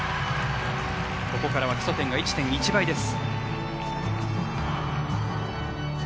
ここからは基礎点が１．１倍です。